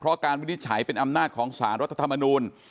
เพราะการวินิจฉัยเป็นอำนาจของสารรัฐธรรมนูล